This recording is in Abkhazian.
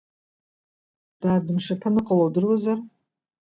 Дад, мшаԥы аныҟало удыруазар?